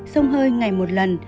xông hơi ngày một lần